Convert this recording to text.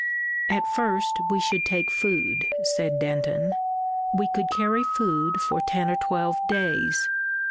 "At first we should take food," said Denton. "We could carry food for ten or twelve days."